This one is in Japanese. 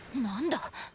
何だ？